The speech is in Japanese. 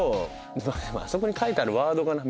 でもあそこに書いてあるワードがな。